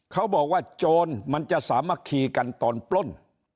เขาบอกว่าโจรมันจะสามัคคีกันตอนปล้น